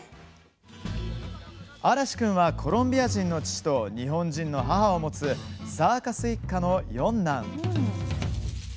嵐君は、コロンビア人の父と日本人の母を持つサーカス一家の四男。